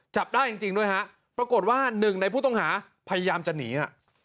จับได้จริงด้วยฮะปรากฏว่าหนึ่งในผู้ต้องหาพยายามจะหนีฮะ